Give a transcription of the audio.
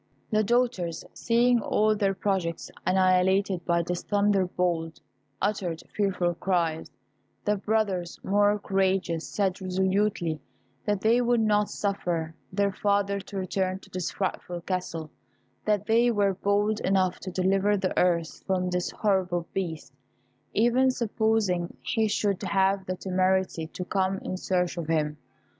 The daughters seeing all their projects annihilated by this thunderbolt, uttered fearful cries; the brothers, more courageous, said resolutely that they would not suffer their father to return to this frightful castle; that they were bold enough to deliver the earth from this horrible Beast, even supposing he should have the temerity to come in search of him.